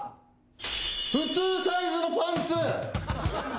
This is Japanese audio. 普通サイズのパンツ。